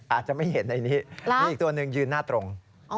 อาจจะไม่เห็นในนี้มีอีกตัวหนึ่งยืนหน้าตรง